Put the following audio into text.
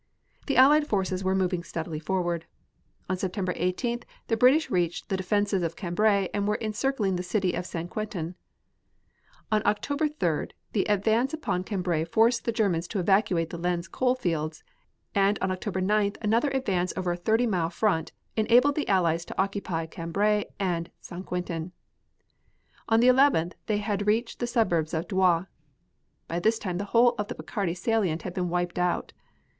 The Allied forces were moving steadily forward. On September 18th the British reached the defenses of Cambrai and were encircling the city of St. Quentin. On October 3d the advance upon Cambrai forced the Germans to evacuate the Lens coal fields, and on October 9th another advance over a thirty mile front enabled the Allies to occupy Cambrai and St. Quentin. On the 11th they had reached the suburbs of Douai. By this time the whole of the Picardy salient had been wiped out.